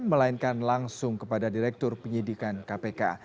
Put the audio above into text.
melainkan langsung kepada direktur penyidikan kpk